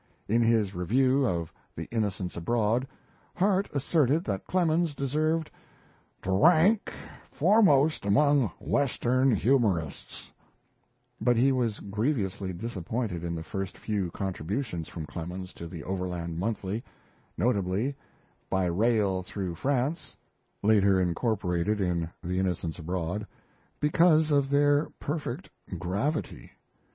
In his review of 'The Innocents Abroad', Harte asserted that Clemens deserved "to rank foremost among Western humorists"; but he was grievously disappointed in the first few contributions from Clemens to the Overland Monthly notably 'By Rail through France' (later incorporated in The Innocents Abroad) because of their perfect gravity.